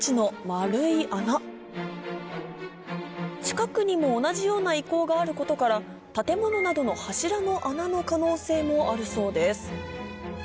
近くにも同じような遺構があることから建物などの柱の穴の可能性もあるそうです